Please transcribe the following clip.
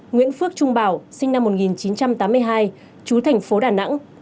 nguyễn phước trung bảo sinh năm một nghìn chín trăm tám mươi hai chú thành phố đà nẵng